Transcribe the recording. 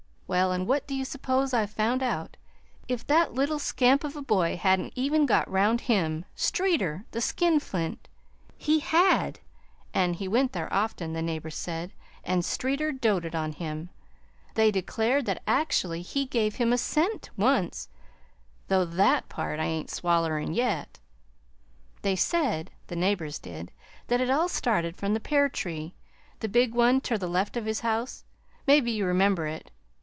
Well, an' what do you s'pose I found out? If that little scamp of a boy hadn't even got round him Streeter, the skinflint! He had an' he went there often, the neighbors said; an' Streeter doted on him. They declared that actually he give him a cent once though THAT part I ain't swallerin' yet. "They said the neighbors did that it all started from the pear tree that big one ter the left of his house. Maybe you remember it.